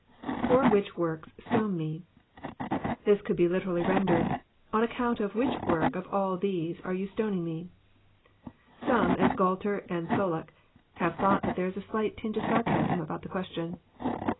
[For u)hich»,.work3...8tone wie.] This could be literally ren dered, On account of which work of all these are you stoning Me ?" Some, as Gualter and Tholuck, have thought that there is a slight tinge of sarcasm about the question.